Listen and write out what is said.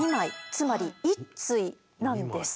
つまり１対なんです。